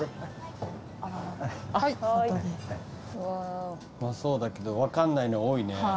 うまそうだけど分かんないの多いね。